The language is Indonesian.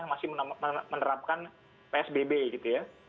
masih menerapkan psbb gitu ya